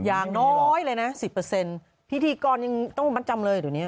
อย่างน้อยเลยนะสิบเปอร์เซ็นต์พิธีกรยังต้องมัดจำเลยตรงเนี้ย